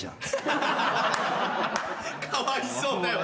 かわいそうだよ